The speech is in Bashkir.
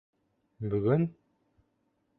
Бөгөн?